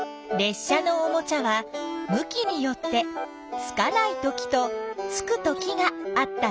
車のおもちゃは向きによってつかないときとつくときがあったね。